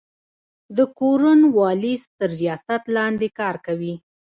د کورن والیس تر ریاست لاندي کار کوي.